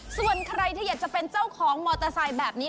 ส่วนใครที่อยากจะเป็นเจ้าของมอเตอร์ไซค์แบบนี้